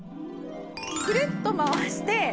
くるっと回して。